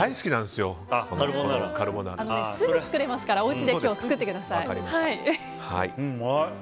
すぐ作れますからおうちで今日、作ってください。